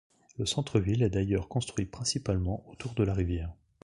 Le centre-ville est d'ailleurs construit principalement autour de la rivière.